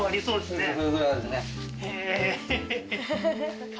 そうですね